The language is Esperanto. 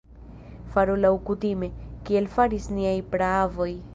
Faru laŭkutime, kiel faris niaj praavoj!